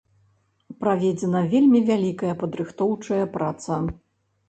Праведзена вельмі вялікая падрыхтоўчая праца.